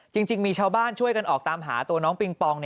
จริงมีชาวบ้านช่วยกันออกตามหาตัวน้องปิงปอง